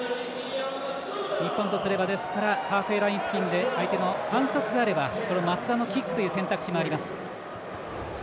日本とすればハーフウェーライン付近での相手の反則があれば松田のキックという選択肢もあります。